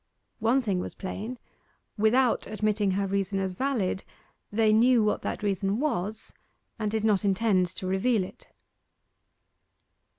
One thing was plain: without admitting her reason as valid, they knew what that reason was, and did not intend to reveal it.